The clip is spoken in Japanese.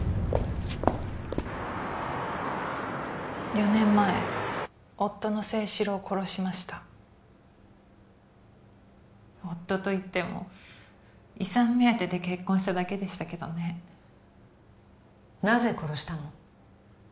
４年前夫の征四郎を殺しました夫といっても遺産目当てで結婚しただけでしたけどねなぜ殺したの？